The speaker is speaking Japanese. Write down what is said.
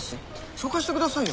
紹介してくださいよ。